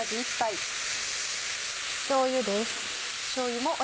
しょうゆです。